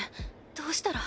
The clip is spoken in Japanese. どうしたら。